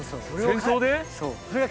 戦争で？